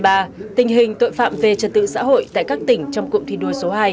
năm hai nghìn hai mươi ba tình hình tội phạm về trật tự xã hội tại các tỉnh trong cụm thi đua số hai